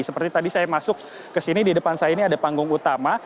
seperti tadi saya masuk ke sini di depan saya ini ada panggung utama